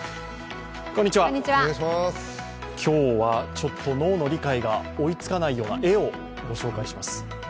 こんにちは、今日は脳の理解が追いつかないような絵をご紹介します。